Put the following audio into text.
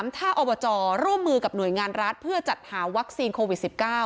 ถ้าอบจร่วมมือกับหน่วยงานรัฐเพื่อจัดหาวัคซีนโควิด๑๙